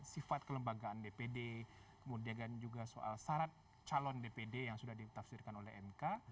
sifat kelembagaan dpd kemudian juga soal syarat calon dpd yang sudah ditafsirkan oleh mk